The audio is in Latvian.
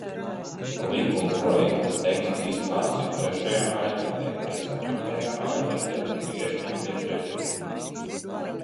Likumprojekta teksta izklāsts ir trešajā ailītē, bet ceturtajā ailītē ir iesniegtie priekšlikumi.